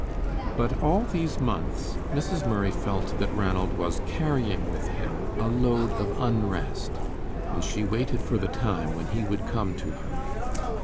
But all these months Mrs. Murray felt that Ranald was carrying with him a load of unrest, and she waited for the time when he would come to her.